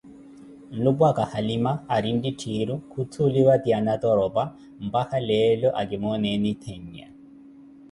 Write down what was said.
Nlupwaaka, Halima, aari ntittiiru, kutthuuliwa ti anatoropa, mpaka leelo akimooneeni theenya.